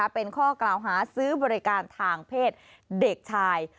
เป็นข้อกล่าวหาซื้อบริการทางเพศเด็กชาย